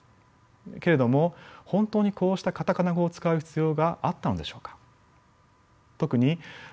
けれども本当にこうしたカタカナ語を使う必要があったのでしょうか。